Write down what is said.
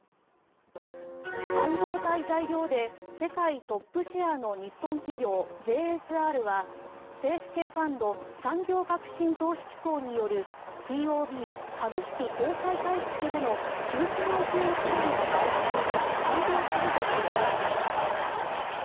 半導体材料で世界トップシェアの日本企業ＪＳＲは政府系ファンド産業革新投資機構によるＴＯＢ・株式公開買いつけでの９０００億円規模での買収に賛同すると表明しました。